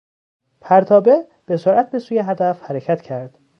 پرتابه به سرعت به سوی هدف حرکت کرد.